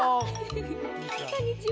こんにちは！